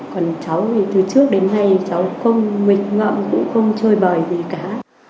còn cháu thì từ trước đến nay cháu không mệt ngậm cũng không chơi bời gì cả